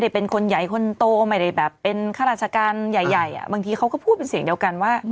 โตใหม่ได้แบบเป็นข้าราชการใหญ่บางทีเขาก็พูดเป็นเสียงเดียวกันว่า